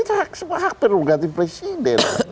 itu hak hak terganti presiden